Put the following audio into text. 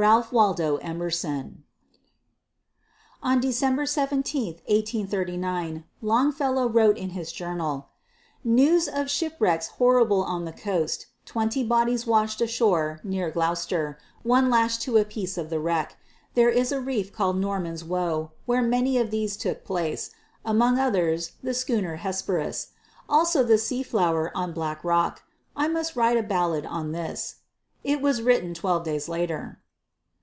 RALPH WALDO EMERSON. On December 17, 1839, Longfellow wrote in his journal: "News of shipwrecks horrible on the coast. Twenty bodies washed ashore near Gloucester, one lashed to a piece of the wreck. There is a reef called Norman's Woe where many of these took place; among others the schooner Hesperus. Also the Sea Flower on Black Rock. I must write a ballad on this." It was written twelve days later.